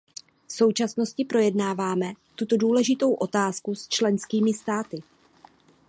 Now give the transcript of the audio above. V současnosti projednáváme tuto důležitou otázku s členskými státy.